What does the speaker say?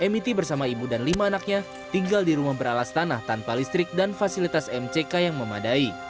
miti bersama ibu dan lima anaknya tinggal di rumah beralas tanah tanpa listrik dan fasilitas mck yang memadai